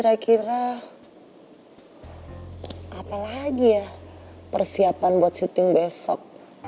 apa lagi ya persiapan buat syuting besok